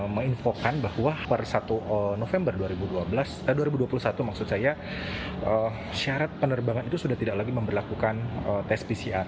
menginfokan bahwa per satu november dua ribu dua puluh satu maksud saya syarat penerbangan itu sudah tidak lagi memperlakukan tes pcr